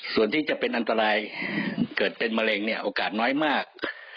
ส่วนที่จะเป็นอันตรายเกิดเป็นมะเร็งเนี่ยโอกาสน้อยมาก